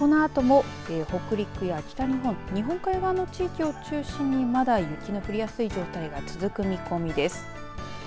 きょうこのあとも北陸や北日本日本海側の地域でまだ雪の降りやすい状態が続く見込みです。